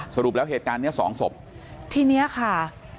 สรุปแล้วเหตุการณ์เนี้ยสองศพทีเนี้ยค่ะ